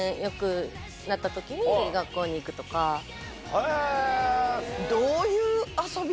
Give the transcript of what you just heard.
へぇ。